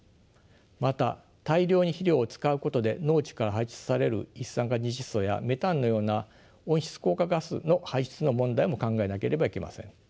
また大量に肥料を使うことで農地から排出される一酸化二窒素やメタンのような温室効果ガスの排出の問題も考えなければいけません。